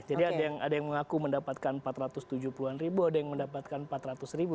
jadi ada yang mengaku mendapatkan empat ratus tujuh puluh ribu ada yang mendapatkan empat ratus ribu